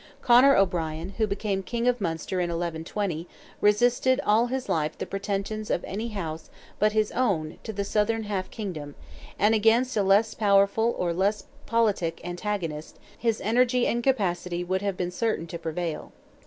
Conor O'Brien, who became King of Munster in 1120, resisted all his life the pretensions of any house but his own to the southern half kingdom, and against a less powerful or less politic antagonist, his energy and capacity would have been certain to prevail.